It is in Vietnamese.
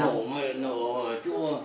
nổ mấy nổ ở chỗ